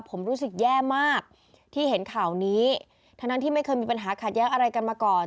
ผมรู้สึกแย่มากที่เห็นข่าวนี้ทั้งนั้นที่ไม่เคยมีปัญหาขัดแย้งอะไรกันมาก่อน